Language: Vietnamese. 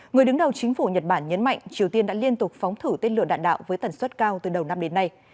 người đứng đầu chính phủ nhật bản nhấn mạnh triều tiên đã liên tục phóng thử tên lửa đạn đạo với tần suất cao từ đầu năm đến nay